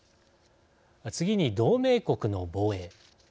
次に同盟国の防衛。